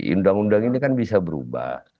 undang undang ini kan bisa berubah